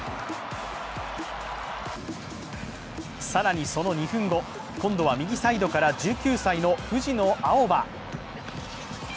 更にその２分後、今度は右サイドから１９歳の藤野あおば。